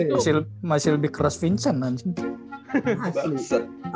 masih lebih keras vincent kan sih